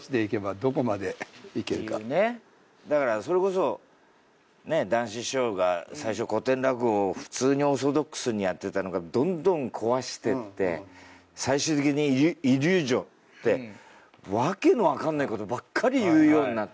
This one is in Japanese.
だからそれこそ談志師匠が最初古典落語を普通にオーソドックスにやってたのがどんどん壊してって最終的にイリュージョンって訳の分かんないことばっかり言うようになって。